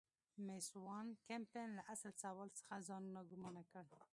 مېس وان کمپن له اصل سوال څخه ځان ناګومانه کړ.